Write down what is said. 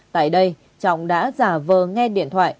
tại đây trọng đã giả vờ nghe điện thoại